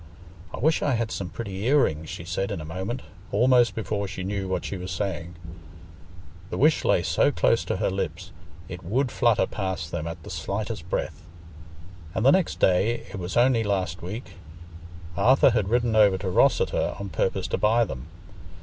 "I wish I had some pretty ear rings!" she said in a moment, almost before she knew what she was saying—the wish lay so close to her lips, it would flutter past them at the slightest breath. And the next day—it was only last week—Arthur had ridden over to Rosseter on purpose to buy them.